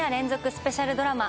スペシャルドラマ